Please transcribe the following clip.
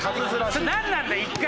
それなんなんだよ１回。